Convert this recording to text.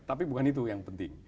tapi bukan itu yang penting